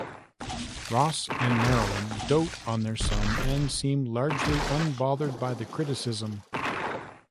Ross and Marilyn dote on their son and seem largely unbothered by the criticism.